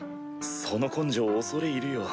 その根性恐れ入るよ。